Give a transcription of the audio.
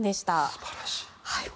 素晴らしい。